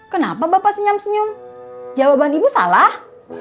kenapa bapak senyam senyum jawaban ibu salah